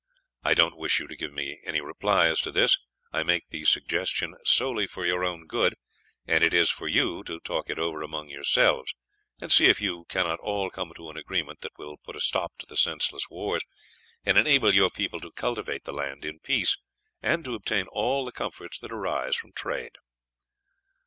I don't wish you to give me any reply as to this. I make the suggestion solely for your own good, and it is for you to talk it over among yourselves, and see if you cannot all come to an agreement that will put a stop to the senseless wars, and enable your people to cultivate the land in peace, and to obtain all the comforts that arise from trade."